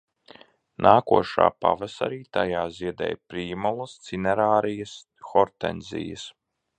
Nākošā pavasarī tajā ziedēja prīmulas, cinerarījas, hortenzijas.